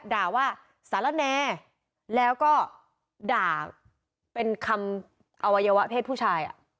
ด่าว่าสารแนแล้วก็ด่าเป็นคำอวัยวะเพศผู้ชาย